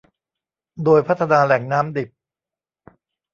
โดยพัฒนาแหล่งน้ำดิบ